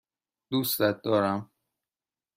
دوستت دارم.